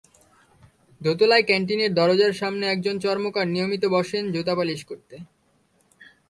দোতলায় ক্যানটিনের দরজার সামনে একজন চর্মকার নিয়মিত বসেন জুতা পালিশ করতে।